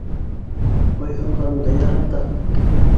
Буйһонғанды ярата.